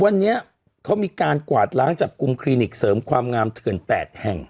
วันนี้เขามีการกวาดล้างจับกลุ่มคลินิกเสริมความงามเถื่อน๘แห่ง